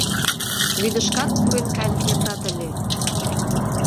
— Вӱдышкат пурен каен кертат ыле.